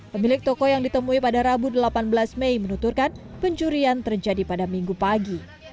pemilik toko yang ditemui pada rabu delapan belas mei menuturkan pencurian terjadi pada minggu pagi